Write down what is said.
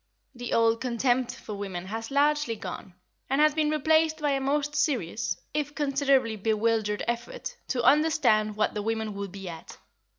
The old contempt for women has largely gone, and has been replaced by a most serious, if considerably bewildered effort to understand what the women would be at.